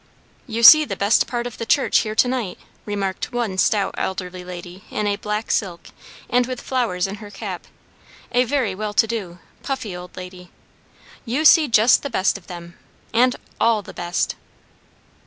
"You see the best part of the church here to night," remarked one stout elderly lady in a black silk and with flowers in her cap; a very well to do, puffy old lady; "you see just the best of them, and all the best!"